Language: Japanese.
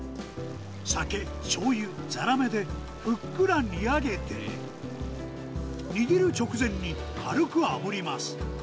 酒、しょうゆ、ザラメで、ふっくら煮あげて、握る直前に軽くあぶります。